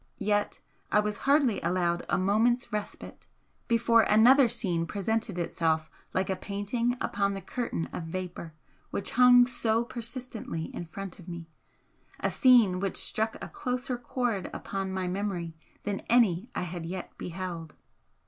Yet I was hardly allowed a moment's respite before another scene presented itself like a painting upon the curtain of vapour which hung so persistently in front of me a scene which struck a closer chord upon my memory than any I had yet beheld.